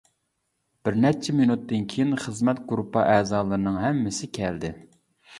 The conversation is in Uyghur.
بىرنەچچە مىنۇتتىن كېيىن خىزمەت گۇرۇپپا ئەزالىرىنىڭ ھەممىسى كەلدى.